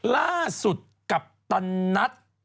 ล่าสุดกัปตันนัท